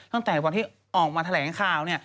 ตั้งแต่วันที่ออกมาแถลงข่าว